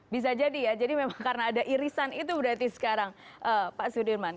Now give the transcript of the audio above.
bisa jadi ya jadi memang karena ada irisan itu berarti sekarang pak sudirman